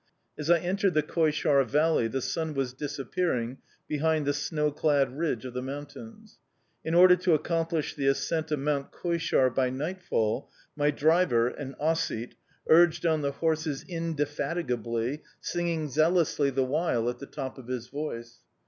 As I entered the Koishaur Valley the sun was disappearing behind the snow clad ridge of the mountains. In order to accomplish the ascent of Mount Koishaur by nightfall, my driver, an Ossete, urged on the horses indefatigably, singing zealously the while at the top of his voice.